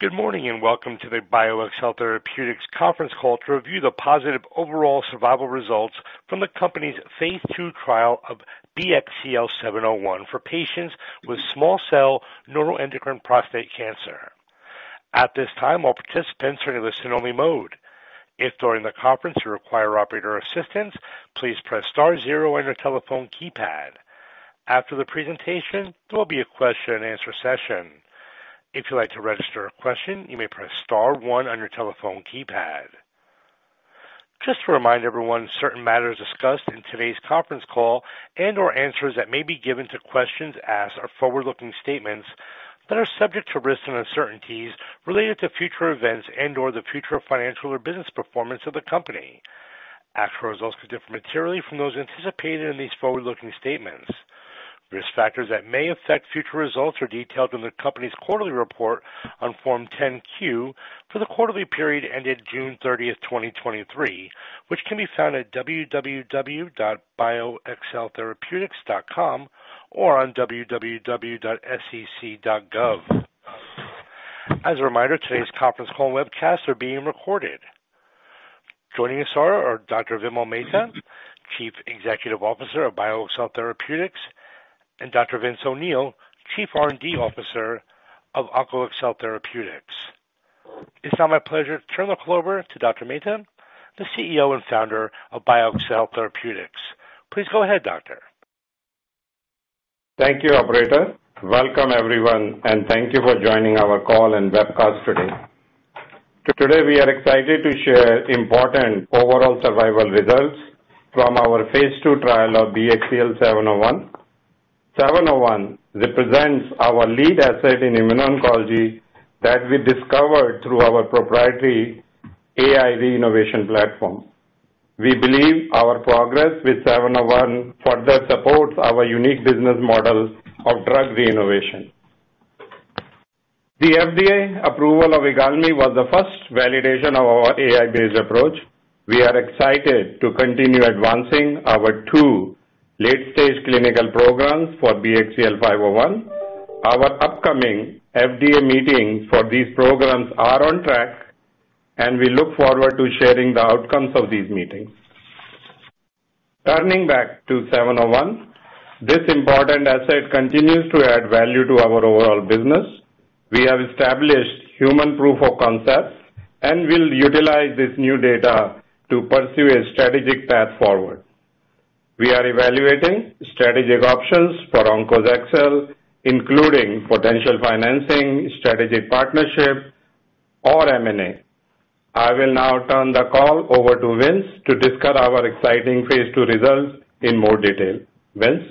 Good morning, and welcome to the BioXcel Therapeutics conference call to review the positive overall survival results from the company's phase II trial of BXCL701 for patients with small cell neuroendocrine prostate cancer. At this time, all participants are in a listen-only mode. If during the conference you require operator assistance, please press star zero on your telephone keypad. After the presentation, there will be a question and answer session. If you'd like to register a question, you may press star one on your telephone keypad. Just to remind everyone, certain matters discussed in today's conference call and/or answers that may be given to questions asked are forward-looking statements that are subject to risks and uncertainties related to future events and/or the future financial or business performance of the company. Actual results could differ materially from those anticipated in these forward-looking statements. Risk factors that may affect future results are detailed in the company's quarterly report on Form 10-Q for the quarterly period ended June 30, 2023, which can be found at www.bioxceltherapeutics.com or on www.sec.gov. As a reminder, today's conference call and webcast are being recorded. Joining us are Dr. Vimal Mehta, Chief Executive Officer of BioXcel Therapeutics, and Dr. Vince O'Neill, Chief R&D Officer of OnkosXcel Therapeutics. It's now my pleasure to turn the floor over to Dr. Mehta, the CEO and founder of BioXcel Therapeutics. Please go ahead, Doctor. Thank you, Operator. Welcome, everyone, and thank you for joining our call and webcast today. Today, we are excited to share important overall survival results from our phase II trial of BXCL701. BXCL701 represents our lead asset in immuno-oncology that we discovered through our proprietary AI reinnovation platform. We believe our progress with BXCL701 further supports our unique business model of drug reinnovation. The FDA approval of IGALMI was the first validation of our AI-based approach. We are excited to continue advancing our two late-stage clinical programs for BXCL501. Our upcoming FDA meetings for these programs are on track, and we look forward to sharing the outcomes of these meetings. Turning back to BXCL701, this important asset continues to add value to our overall business. We have established human proof of concepts and will utilize this new data to pursue a strategic path forward. We are evaluating strategic options for OnkosXcel, including potential financing, strategic partnership, or M&A. I will now turn the call over to Vince to discuss our exciting phase II results in more detail. Vince?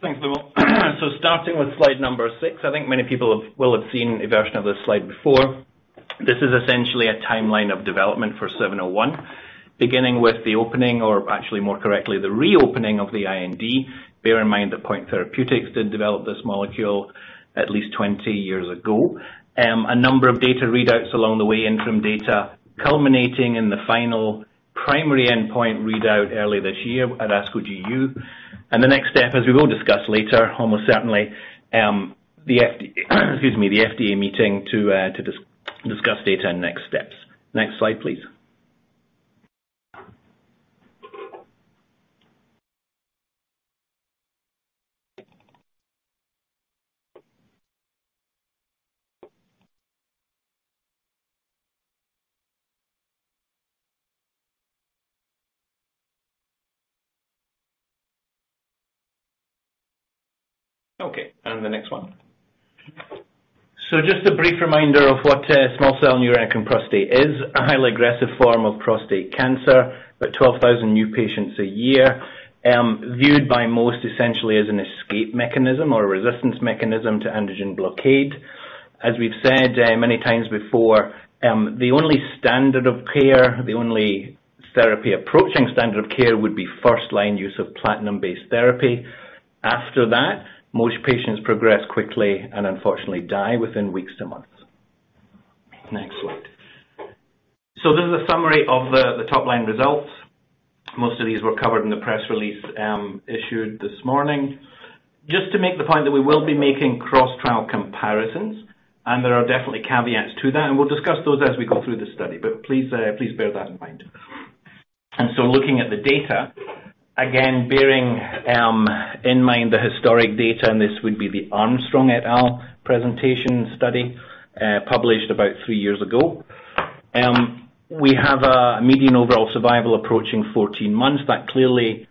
Thanks, Vimal. So starting with slide number six, I think many people have, will have seen a version of this slide before. This is essentially a timeline of development for 701, beginning with the opening, or actually more correctly, the reopening of the IND. Bear in mind that Point Therapeutics did develop this molecule at least 20 years ago. A number of data readouts along the way, interim data, culminating in the final primary endpoint readout early this year at ASCO GU. And the next step, as we will discuss later, almost certainly, the FDA meeting to discuss data and next steps. Next slide, please. Okay, and the next one. So just a brief reminder of what small cell neuroendocrine prostate cancer is, a highly aggressive form of prostate cancer, about 12,000 new patients a year, viewed by most essentially as an escape mechanism or a resistance mechanism to androgen blockade. As we've said many times before, the only standard of care, the only therapy approaching standard of care, would be first-line use of platinum-based therapy. After that, most patients progress quickly and unfortunately die within weeks to months. Next slide. So this is a summary of the top-line results. Most of these were covered in the press release issued this morning. Just to make the point that we will be making cross-trial comparisons, and there are definitely caveats to that, and we'll discuss those as we go through the study, but please bear that in mind. Looking at the data, again, bearing in mind the historic data, and this would be the Armstrong et al. presentation study, published about three years ago, we have a median overall survival approaching 14 months. That clearly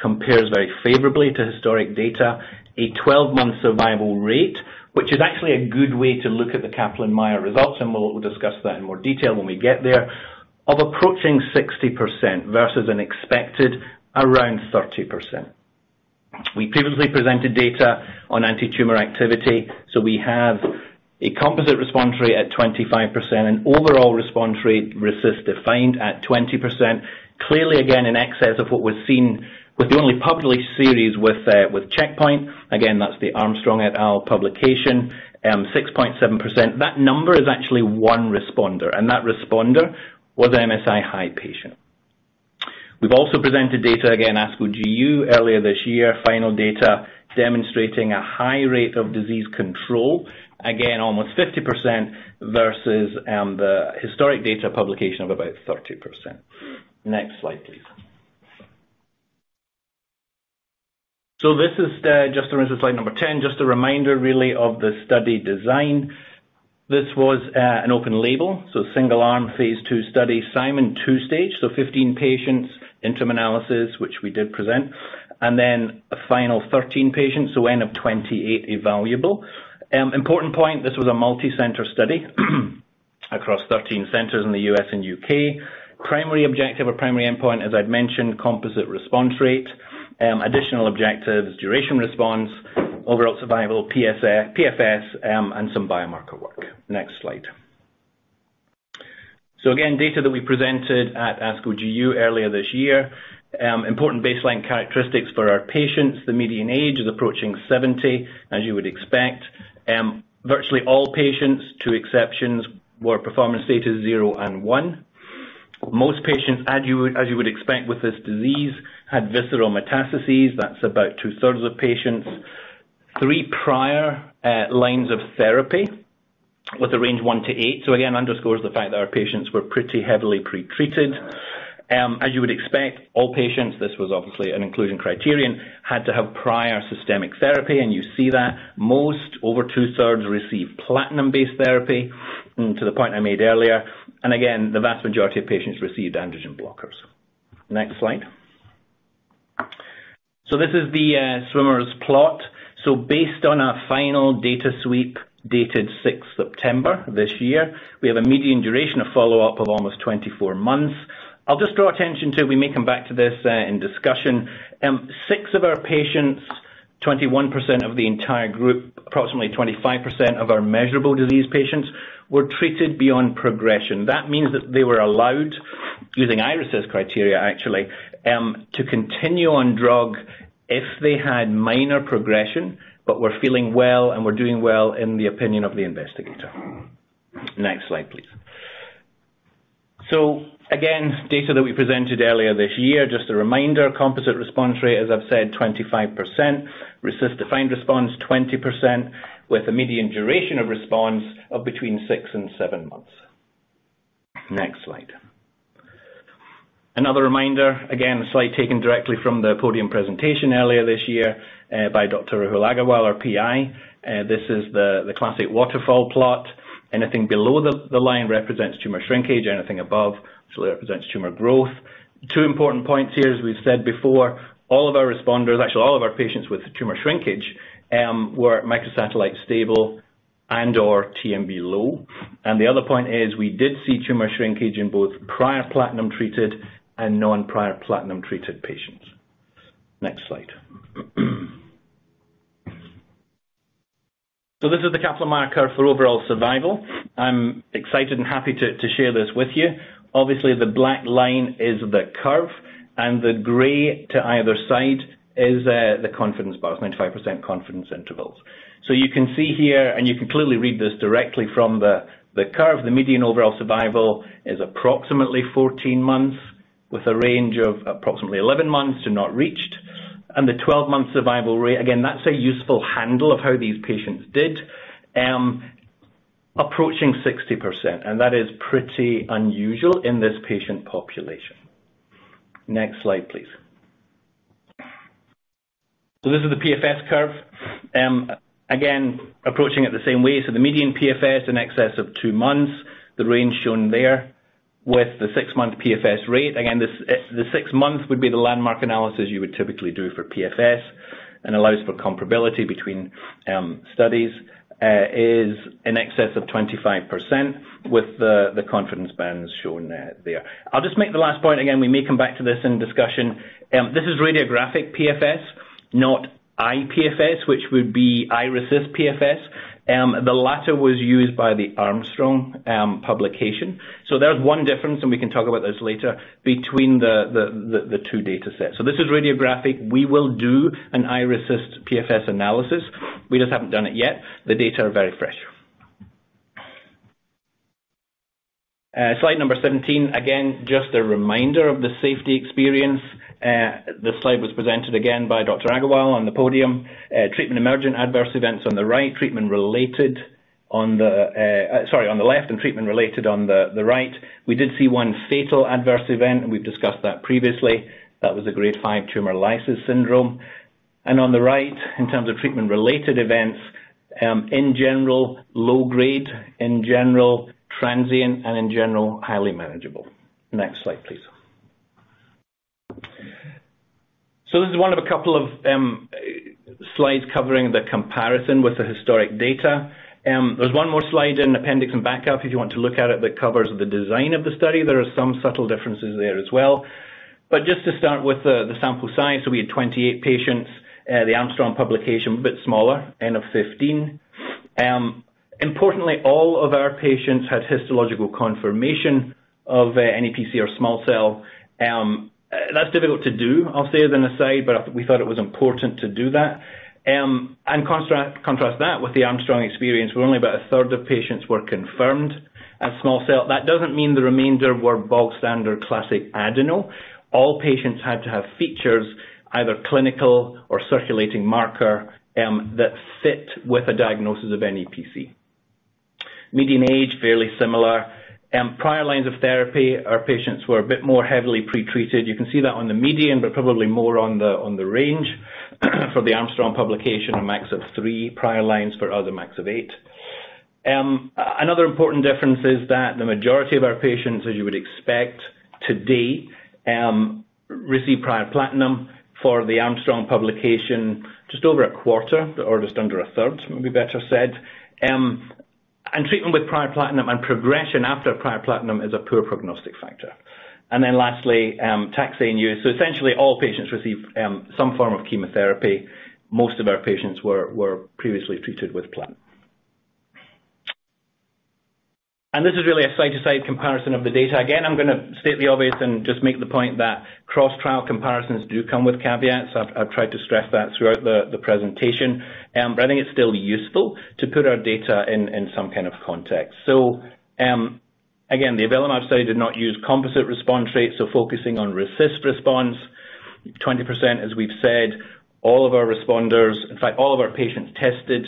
compares very favorably to historic data. A 12-month survival rate, which is actually a good way to look at the Kaplan-Meier results, and we'll discuss that in more detail when we get there, of approaching 60% versus an expected around 30%. We previously presented data on antitumor activity, so we have a composite response rate at 25% and overall response rate RECIST-defined at 20%. Clearly, again, in excess of what was seen with the only published series with checkpoint. Again, that's the Armstrong et al. publication, 6.7%. That number is actually one responder, and that responder was an MSI high patient. We've also presented data, again, ASCO GU earlier this year, final data demonstrating a high rate of disease control. Again, almost 50% versus the historic data publication of about 30%. Next slide, please. This is, just on slide number 10, just a reminder, really, of the study design. This was an open label, single arm phase II study, Simon two-stage, 15 patients, interim analysis, which we did present, and then a final 13 patients, so N of 28 evaluable. Important point, this was a multicenter study across 13 centers in the U.S. and U.K. Primary objective or primary endpoint, as I'd mentioned, composite response rate, additional objectives, duration response, overall survival, PFS, and some biomarker work. Next slide. Again, data that we presented at ASCO GU earlier this year. Important baseline characteristics for our patients. The median age is approaching 70, as you would expect. Virtually all patients, two exceptions, were performance status zero and one. Most patients, as you would expect with this disease, had visceral metastases. That's about two-thirds of patients. Three prior lines of therapy with a range of 1-8. Again, underscores the fact that our patients were pretty heavily pretreated. As you would expect, all patients, this was obviously an inclusion criterion, had to have prior systemic therapy, and you see that. Most, over two-thirds, received platinum-based therapy, to the point I made earlier. Again, the vast majority of patients received androgen blockers. Next slide. This is the swimmer plot. So based on our final data sweep, dated 6th September this year, we have a median duration of follow-up of almost 24 months. I'll just draw attention to, we may come back to this, in discussion. Six of our patients, 21% of the entire group, approximately 25% of our measurable disease patients, were treated beyond progression. That means that they were allowed, using iRECIST criteria, actually, to continue on drug if they had minor progression, but were feeling well and were doing well in the opinion of the investigator. Next slide, please. So again, data that we presented earlier this year. Just a reminder, composite response rate, as I've said, 25%. RECIST-defined response, 20%, with a median duration of response of between 6-7 months. Next slide. Another reminder, again, a slide taken directly from the podium presentation earlier this year by Dr. Rahul Aggarwal, our PI. This is the classic waterfall plot. Anything below the line represents tumor shrinkage, anything above actually represents tumor growth. Two important points here, as we've said before, all of our responders, actually, all of our patients with tumor shrinkage were microsatellite stable and/or TMB low. And the other point is, we did see tumor shrinkage in both prior platinum-treated and non-prior platinum-treated patients. Next slide. So this is the Kaplan-Meier curve for overall survival. I'm excited and happy to share this with you. Obviously, the black line is the curve, and the gray to either side is the confidence bars, 95% confidence intervals. So you can see here, and you can clearly read this directly from the curve, the median overall survival is approximately 14 months, with a range of approximately 11 months to not reached, and the 12-month survival rate. Again, that's a useful handle of how these patients did. Approaching 60%, and that is pretty unusual in this patient population. Next slide, please. So this is the PFS curve. Again, approaching it the same way. So the median PFS in excess of 2 months, the range shown there with the 6-month PFS rate. Again, this, the 6 months would be the landmark analysis you would typically do for PFS and allows for comparability between studies is in excess of 25% with the confidence bands shown there. I'll just make the last point, again, we may come back to this in discussion. This is radiographic PFS, not iPFS, which would be iRECIST PFS. The latter was used by the Armstrong publication. So there's one difference, and we can talk about this later, between the two datasets. So this is radiographic. We will do an iRECIST PFS analysis. We just haven't done it yet. The data are very fresh. Slide number 17. Again, just a reminder of the safety experience. This slide was presented again by Dr. Aggarwal on the podium. Treatment emergent adverse events on the right, treatment-related on the left, and treatment-related on the right. We did see one fatal adverse event, and we've discussed that previously. That was a grade 5 tumor lysis syndrome. And on the right, in terms of treatment-related events, in general, low grade, in general, transient, and in general, highly manageable. Next slide, please. This is one of a couple of slides covering the comparison with the historic data. There's one more slide in appendix and backup, if you want to look at it, that covers the design of the study. There are some subtle differences there as well. Just to start with the sample size, we had 28 patients. The Armstrong publication, a bit smaller, N of 15. Importantly, all of our patients had histological confirmation of NEPC or small cell. That's difficult to do, I'll say as an aside, but I, we thought it was important to do that. Contrast that with the Armstrong experience, where only about a third of patients were confirmed. And small cell, that doesn't mean the remainder were bog standard classic Adeno. All patients had to have features, either clinical or circulating marker, that fit with a diagnosis of NEPC. Median age, fairly similar. Prior lines of therapy, our patients were a bit more heavily pretreated. You can see that on the median, but probably more on the, on the range. For the Armstrong publication, a max of three prior lines, for other max of eight. Another important difference is that the majority of our patients, as you would expect to date, receive prior platinum for the Armstrong publication, just over a quarter or just under a third, maybe better said. And treatment with prior platinum and progression after prior platinum is a poor prognostic factor. And then lastly, taxane use. So essentially all patients receive some form of chemotherapy. Most of our patients were previously treated with platinum. This is really a side-to-side comparison of the data. Again, I'm gonna state the obvious and just make the point that cross-trial comparisons do come with caveats. I've tried to stress that throughout the presentation, but I think it's still useful to put our data in some kind of context. Again, the Avelumab study did not use composite response rates, so focusing on RECIST response, 20%, as we've said. All of our responders, in fact, all of our patients tested,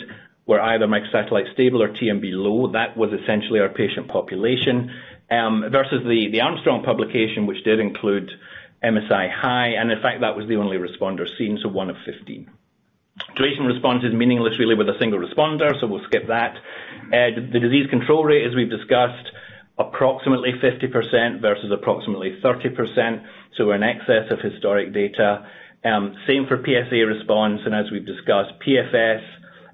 were either microsatellite stable or TMB low. That was essentially our patient population, versus the Armstrong publication, which did include MSI High, and in fact, that was the only responder seen, so one of 15. Duration response is meaningless, really, with a single responder, so we'll skip that. The disease control rate, as we've discussed, approximately 50% versus approximately 30%, so we're in excess of historic data. Same for PSA response, and as we've discussed, PFS,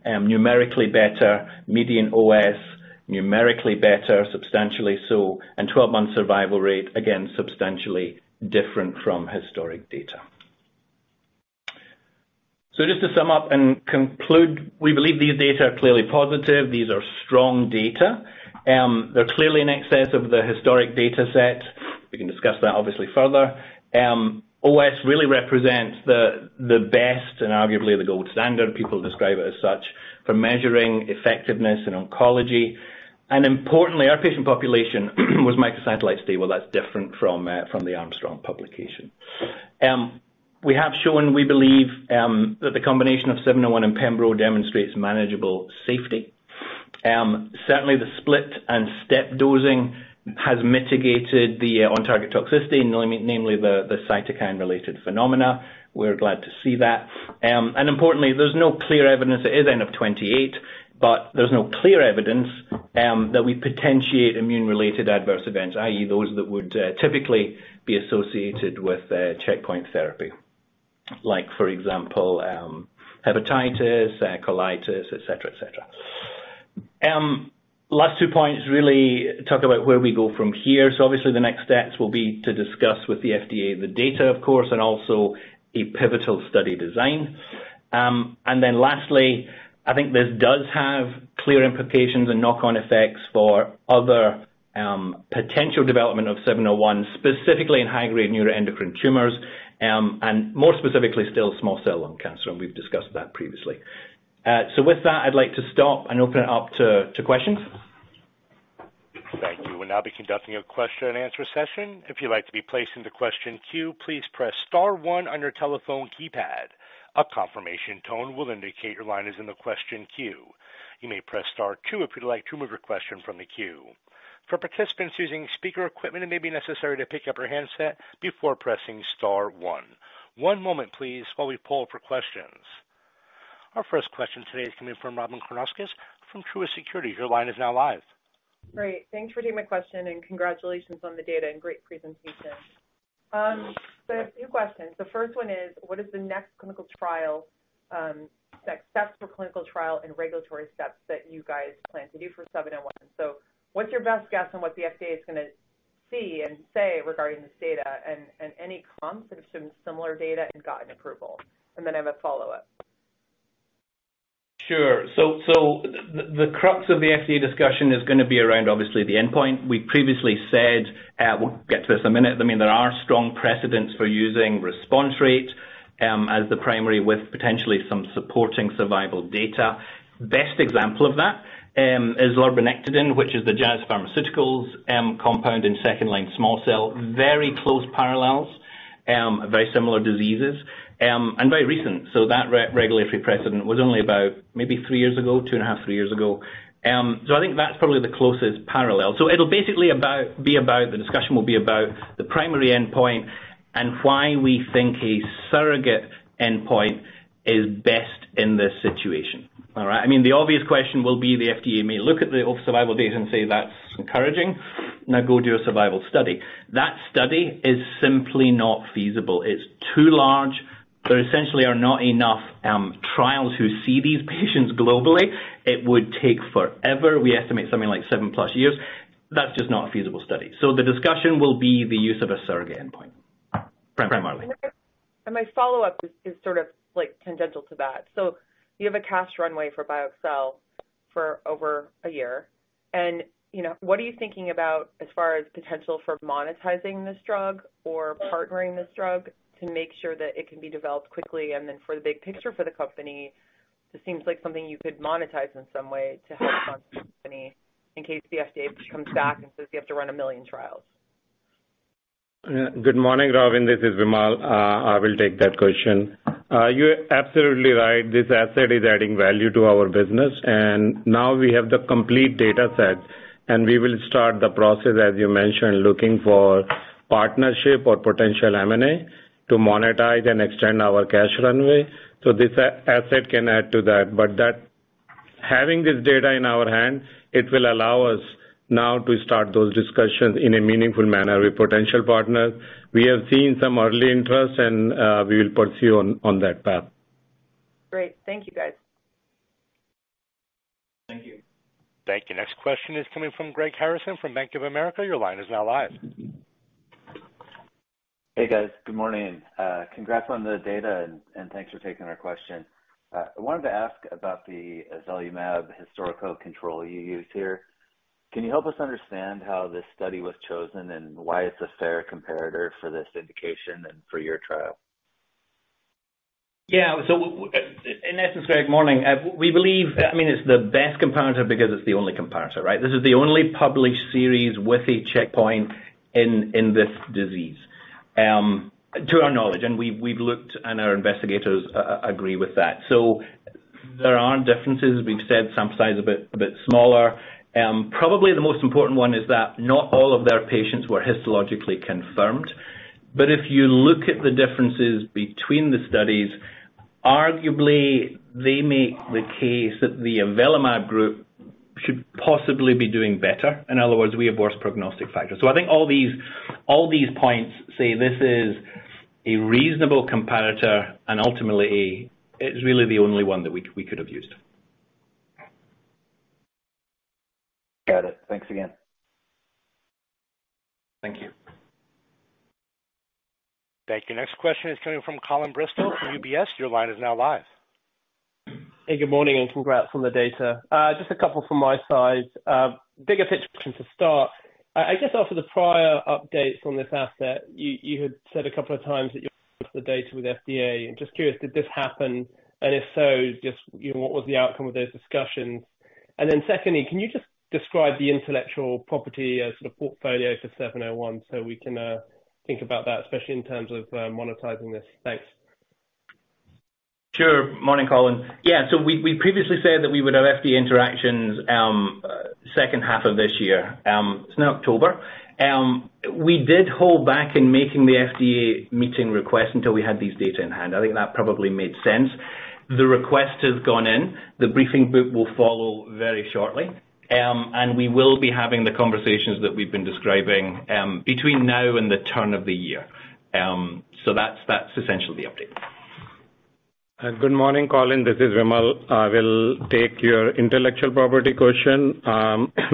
numerically better, median OS, numerically better, substantially so, and 12-month survival rate, again, substantially different from historic data. So just to sum up and conclude, we believe these data are clearly positive. These are strong data. They're clearly in excess of the historic data set. We can discuss that obviously further. OS really represents the, the best and arguably the gold standard, people describe it as such, for measuring effectiveness in oncology. And importantly, our patient population was microsatellite stable. That's different from, from the Armstrong publication. We have shown, we believe, that the combination of BXCL701 and Pembro demonstrates manageable safety. Certainly, the split and step dosing has mitigated the on-target toxicity, namely the cytokine-related phenomena. We're glad to see that. And importantly, there's no clear evidence it is N of 28, but there's no clear evidence that we potentiate immune-related adverse events, i.e., those that would typically be associated with checkpoint therapy. Like, for example, hepatitis, colitis, et cetera, et cetera. Last two points really talk about where we go from here. So obviously, the next steps will be to discuss with the FDA the data, of course, and also a pivotal study design. And then lastly, I think this does have clear implications and knock-on effects for other potential development of BXCL701, specifically in high-grade neuroendocrine tumors, and more specifically, still small cell lung cancer, and we've discussed that previously. So with that, I'd like to stop and open it up to questions. Thank you. We'll now be conducting a question-and-answer session. If you'd like to be placed in the question queue, please press star one on your telephone keypad. A confirmation tone will indicate your line is in the question queue. You may press star two if you'd like to remove your question from the queue. For participants using speaker equipment, it may be necessary to pick up your handset before pressing star one. One moment, please, while we pull for questions. Our first question today is coming from Robyn Karnauskas from Truist Securities. Your line is now live. Great. Thanks for taking my question, and congratulations on the data and great presentation. So I have two questions. The first one is: What is the next clinical trial, like, steps for clinical trial and regulatory steps that you guys plan to do for BXCL701? So what's your best guess on what the FDA is gonna see and say regarding this data, and, and any cons of some similar data and gotten approval? And then I have a follow-up. Sure. So the crux of the FDA discussion is gonna be around obviously the endpoint. We previously said, we'll get to this in a minute. I mean, there are strong precedents for using response rate as the primary, with potentially some supporting survival data. Best example of that is Lurbinectedin, which is the Jazz Pharmaceuticals compound in second-line small cell. Very close parallels, very similar diseases, and very recent. So that regulatory precedent was only about maybe 3 years ago, 2.5, 3 years ago. So I think that's probably the closest parallel. So it'll basically be about the primary endpoint and why we think a surrogate endpoint is best in this situation. All right? I mean, the obvious question will be, the FDA may look at the survival data and say, "That's encouraging. Now go do a survival study." That study is simply not feasible. It's too large. There essentially are not enough trials to see these patients globally. It would take forever. We estimate something like 7+ years. That's just not a feasible study. So the discussion will be the use of a surrogate endpoint. Primarily. My follow-up is, is sort of, like, tangential to that. You have a cash runway for BioXcel for over a year. You know, what are you thinking about as far as potential for monetizing this drug or partnering this drug to make sure that it can be developed quickly, and then for the big picture for the company? It seems like something you could monetize in some way to help the company in case the FDA comes back and says you have to run 1 million trials. Good morning, Robyn, this is Vimal. I will take that question. You're absolutely right. This asset is adding value to our business, and now we have the complete data set, and we will start the process, as you mentioned, looking for partnership or potential M&A to monetize and extend our cash runway. So this asset can add to that. But having this data in our hand, it will allow us now to start those discussions in a meaningful manner with potential partners. We have seen some early interest, and we will pursue on that path. Great. Thank you, guys. Thank you. Thank you. Next question is coming from Greg Harrison from Bank of America. Your line is now live. Hey, guys. Good morning. Congrats on the data, and thanks for taking our question. I wanted to ask about the Avelumab historical control you used here. Can you help us understand how this study was chosen and why it's a fair comparator for this indication and for your trial? Yeah, so in essence, Greg, morning. We believe, I mean, it's the best comparator because it's the only comparator, right? This is the only published series with a checkpoint in this disease, to our knowledge, and we've looked, and our investigators agree with that. So there are differences. We've said sample size a bit smaller. Probably the most important one is that not all of their patients were histologically confirmed. But if you look at the differences between the studies, arguably they make the case that the Avelumab group should possibly be doing better. In other words, we have worse prognostic factors. So I think all these points say this is a reasonable comparator, and ultimately, it's really the only one that we could have used. Got it. Thanks again. Thank you. Thank you. Next question is coming from Colin Bristow from UBS. Your line is now live. Hey, good morning, and congrats on the data. Just a couple from my side. Bigger picture to start, I, I guess after the prior updates on this asset, you, you had said a couple of times that you the data with FDA. I'm just curious, did this happen? And if so, just, you know, what was the outcome of those discussions? And then secondly, can you just describe the intellectual property, sort of portfolio for BXCL701 so we can, think about that, especially in terms of, monetizing this? Thanks. Sure. Morning, Colin. Yeah, so we previously said that we would have FDA interactions, second half of this year. It's now October. We did hold back in making the FDA meeting request until we had these data in hand. I think that probably made sense. The request has gone in. The briefing book will follow very shortly, and we will be having the conversations that we've been describing, between now and the turn of the year. So that's essentially the update. Good morning, Colin. This is Vimal. I will take your intellectual property question.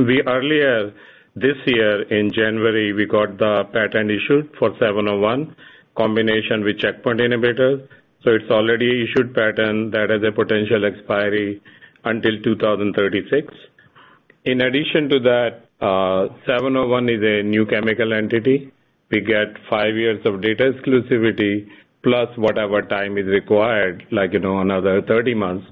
We earlier this year, in January, we got the patent issued for BXCL701 combination with checkpoint inhibitors, so it's already issued patent that has a potential expiry until 2036. In addition to that, BXCL701 is a new chemical entity. We get 5 years of data exclusivity, plus whatever time is required, like, you know, another 30 months.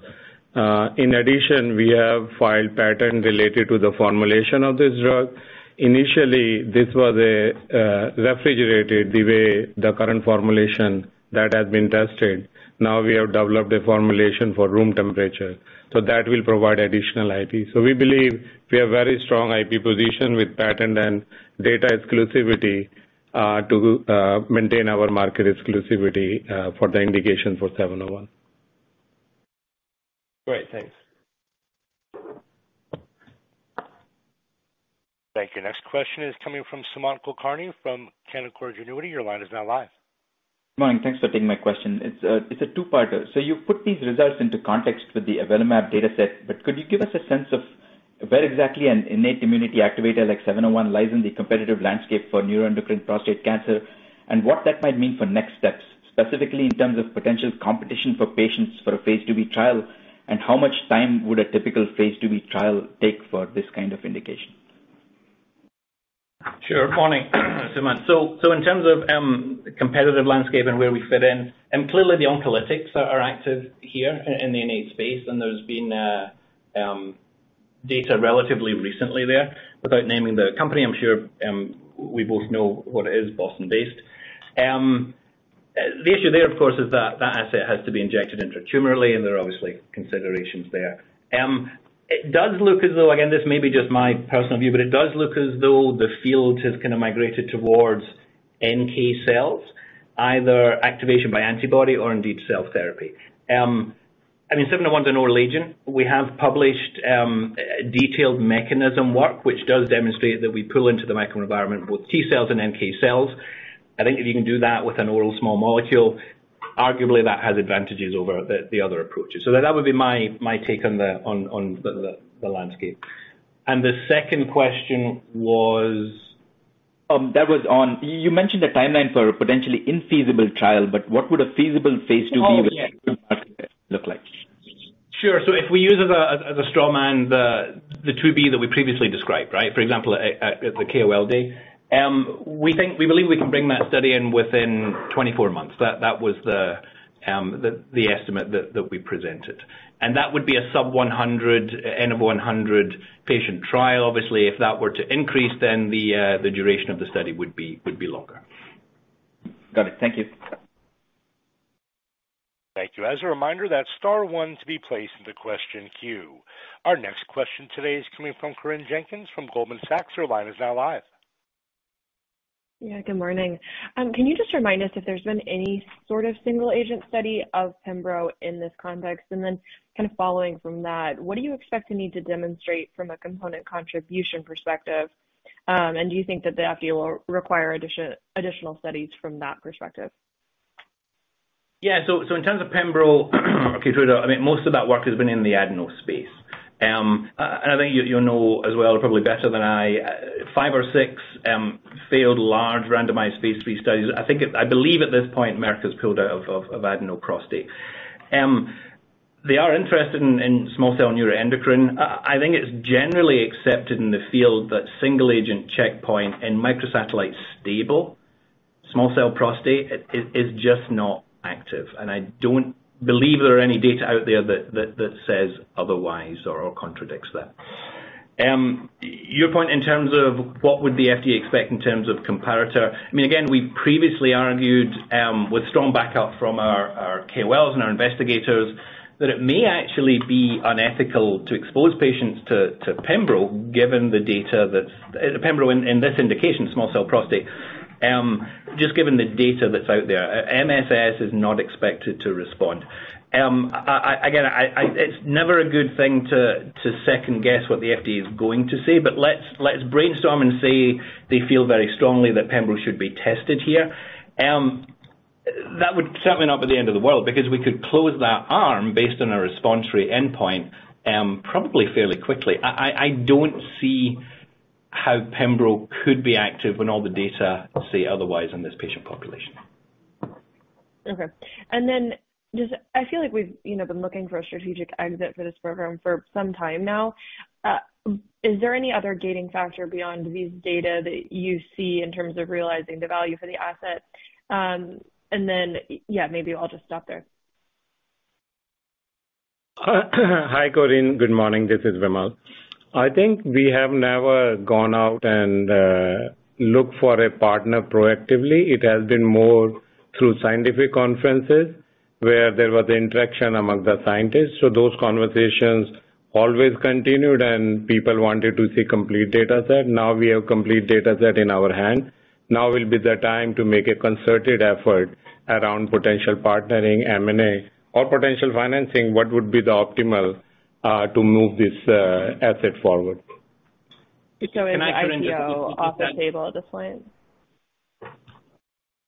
In addition, we have filed patent related to the formulation of this drug. Initially, this was a refrigerated the way the current formulation that has been tested. Now we have developed a formulation for room temperature, so that will provide additional IP. We believe we have very strong IP position with patent and data exclusivity to maintain our market exclusivity for the indication for BXCL701. Great. Thanks. Thank you. Next question is coming from Sumant Kulkarni from Canaccord Genuity. Your line is now live. Morning, thanks for taking my question. It's a, it's a two-parter. You've put these results into context with the avelumab dataset, but could you give us a sense of where exactly an innate immunity activator like BXCL701 lies in the competitive landscape for neuroendocrine prostate cancer and what that might mean for next steps, specifically in terms of potential competition for patients for a phase II-B trial? How much time would a typical phase II-B trial take for this kind of indication? Sure. Morning, Sumant. So in terms of competitive landscape and where we fit in, and clearly the oncolytics are active here in the innate space, and there's been data relatively recently there. Without naming the company, I'm sure we both know what it is, Boston-based. The issue there, of course, is that that asset has to be injected intratumorally, and there are obviously considerations there. It does look as though, again, this may be just my personal view, but it does look as though the field has kind of migrated towards NK cells, either activation by antibody or indeed cell therapy. I mean, BXCL701's an oral agent. We have published detailed mechanism work, which does demonstrate that we pull into the microenvironment, both T-cells and NK cells. I think if you can do that with an oral small molecule, arguably that has advantages over the other approaches. So that would be my take on the landscape. And the second question was? You mentioned the timeline for a potentially infeasible trial, but what would a feasible phase II-B look like? Sure. If we use as a, as a straw man, the, the phase II-B that we previously described, right? For example, at, at, at the KOL Day, we think, we believe we can bring that study in within 24 months. That, that was the, the estimate that, that we presented. That would be a sub-100, N of 100 patient trial. Obviously, if that were to increase, then the, the duration of the study would be, would be longer. Got it. Thank you. Thank you. As a reminder, that's star one to be placed into question queue. Our next question today is coming from Corinne Jenkins from Goldman Sachs. Your line is now live. Yeah, good morning. Can you just remind us if there's been any sort of single agent study of Pembro in this context? And then kind of following from that, what do you expect to need to demonstrate from a component contribution perspective, and do you think that the FDA will require additional studies from that perspective? Yeah. So in terms of Pembro or KEYTRUDA, I mean, most of that work has been in the Adeno space. And I think you, you'll know as well, probably better than I, five or six failed large randomized phase III studies. I think I believe at this point, Merck has pulled out of adenocarcinoma. They are interested in small cell neuroendocrine. I think it's generally accepted in the field that single agent checkpoint in microsatellite stable, small cell prostate, it is just not active. And I don't believe there are any data out there that says otherwise or contradicts that. Your point in terms of what would the FDA expect in terms of comparator, I mean, again, we previously argued, with strong backup from our, our KOLs and our investigators, that it may actually be unethical to expose patients to, to Pembro, given the data that's, Pembro in, in this indication, small cell prostate, just given the data that's out there. MSS is not expected to respond. Again, it's never a good thing to, to second guess what the FDA is going to say, but let's, let's brainstorm and say they feel very strongly that Pembro should be tested here. That would certainly not be the end of the world, because we could close that arm based on a response rate endpoint, probably fairly quickly. I don't see how Pembro could be active when all the data say otherwise in this patient population. Okay. And then just I feel like we've, you know, been looking for a strategic exit for this program for some time now. Is there any other gating factor beyond these data that you see in terms of realizing the value for the asset? And then, yeah, maybe I'll just stop there. Hi, Corinne. Good morning. This is Vimal. I think we have never gone out and looked for a partner proactively. It has been more through scientific conferences, where there was interaction among the scientists. So those conversations always continued, and people wanted to see complete data set. Now we have complete data set in our hand. Now will be the time to make a concerted effort around potential partnering, M&A, or potential financing, what would be the optimal to move this asset forward? Is the IPO off the table at this point?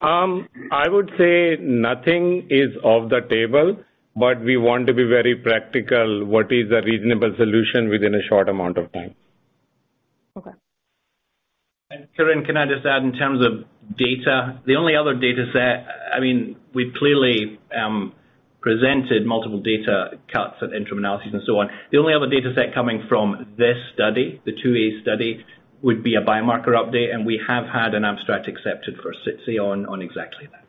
I would say nothing is off the table, but we want to be very practical, what is a reasonable solution within a short amount of time. Okay. Corinne, can I just add, in terms of data, the only other data set, I mean, we've clearly presented multiple data cuts and interim analyses and so on. The only other dataset coming from this study, the phase II-A study, would be a biomarker update, and we have had an abstract accepted for SITC on exactly that.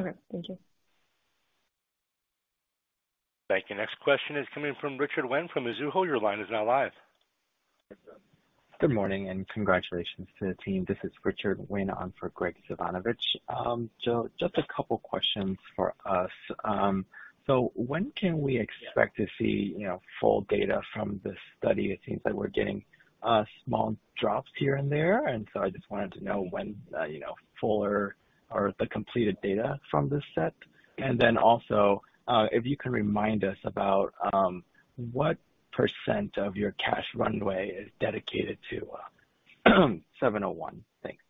Okay, thank you. Thank you. Next question is coming from Richard Nguyen from Mizuho. Your line is now live. Good morning, and congratulations to the team. This is Richard Nguyen on for Graig Suvannavejh. Just a couple questions for us. When can we expect to see, you know, full data from this study? It seems like we're getting, you know, small drops here and there, and I just wanted to know when, you know, fuller or the completed data from this set. Also, if you can remind us about what percent of your cash runway is dedicated to BXCL701? Thanks.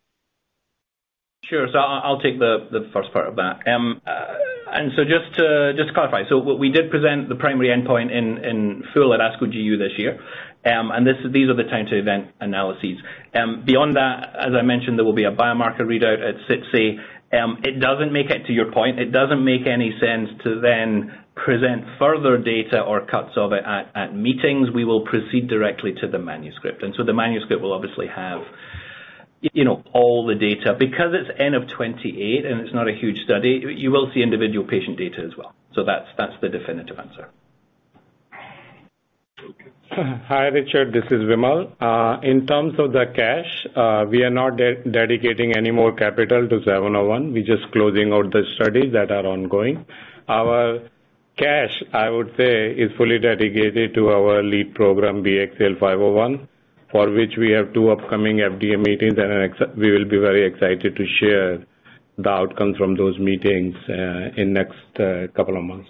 Sure. So I'll take the first part of that. So just to clarify, what we did present the primary endpoint in full at ASCO GU this year, and these are the time to event analyses. Beyond that, as I mentioned, there will be a biomarker readout at SITC. To your point, it doesn't make any sense to then present further data or cuts of it at meetings. We will proceed directly to the manuscript. So the manuscript will obviously have, you know, all the data. Because it's N of 28 and it's not a huge study, you will see individual patient data as well. So that's the definitive answer. Hi, Richard, this is Vimal. In terms of the cash, we are not dedicating any more capital to BXCL701. We're just closing out the studies that are ongoing. Our cash, I would say, is fully dedicated to our lead program, BXCL501, for which we have two upcoming FDA meetings and an, we will be very excited to share the outcomes from those meetings in next couple of months.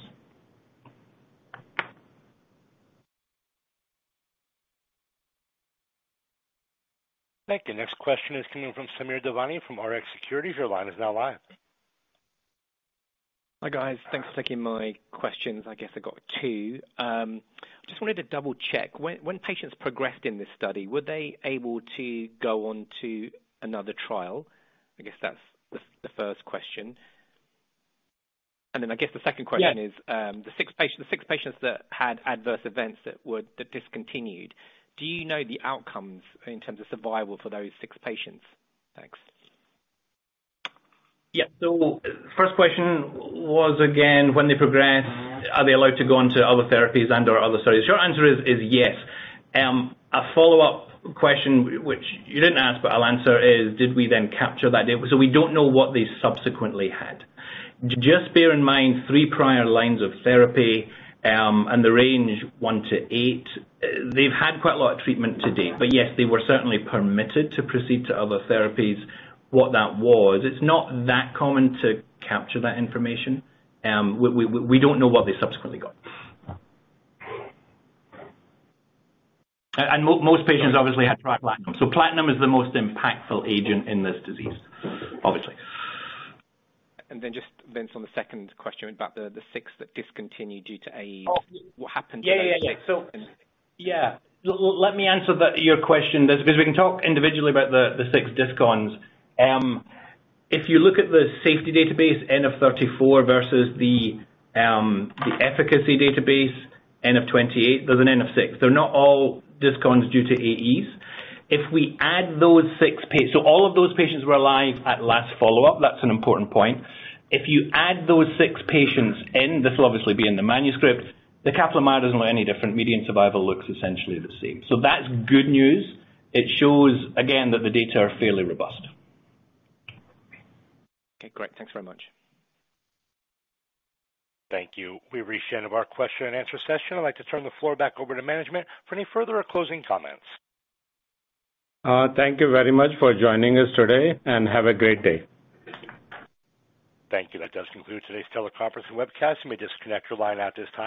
Thank you. Next question is coming from Samir Devani from Rx Securities. Your line is now live. Hi, guys. Thanks for taking my questions. I guess I got two. Just wanted to double-check. When, when patients progressed in this study, were they able to go on to another trial? I guess that's the, the first question. And then I guess the second question is the six patients, the six patients that had adverse events that were, that discontinued, do you know the outcomes in terms of survival for those six patients? Thanks. Yeah. So first question was, again, when they progress, are they allowed to go on to other therapies and/or other studies? Short answer is yes. A follow-up question, which you didn't ask, but I'll answer, is did we then capture that data? So we don't know what they subsequently had. Just bear in mind, three prior lines of therapy, and the range 1-8, they've had quite a lot of treatment to date. But yes, they were certainly permitted to proceed to other therapies. What that was, it's not that common to capture that information. We don't know what they subsequently got. And most patients obviously had tried platinum, so platinum is the most impactful agent in this disease, obviously. Just on the second question about the six that discontinued due to AE, what happened to them? Yeah, yeah, yeah. Yeah, let me answer the, your question, because we can talk individually about the, the six discons. If you look at the safety database, N of 34, versus the efficacy database, N of 28, there's an N of 6. They're not all discons due to AEs. If we add those six pa- so all of those patients were alive at last follow-up. That's an important point. If you add those six patients in, this will obviously be in the manuscript, the Kaplan-Meier doesn't look any different. Median survival looks essentially the same. That's good news. It shows again that the data are fairly robust. Okay, great. Thanks very much. Thank you. We've reached the end of our question-and-answer session. I'd like to turn the floor back over to management for any further or closing comments. Thank you very much for joining us today, and have a great day. Thank you. That does conclude today's teleconference and webcast. You may disconnect your line at this time.